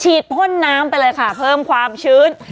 พ่นน้ำไปเลยค่ะเพิ่มความชื้น